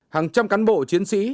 hàng trăm cán bộ chiến sĩ